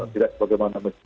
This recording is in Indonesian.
tidak sebagaimana mencari